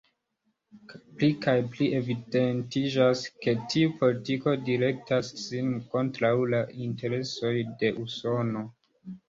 Pli kaj pli evidentiĝas, ke tiu politiko direktas sin kontraŭ la interesoj de Usono.